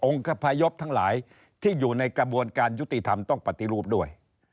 คพยพทั้งหลายที่อยู่ในกระบวนการยุติธรรมต้องปฏิรูปด้วย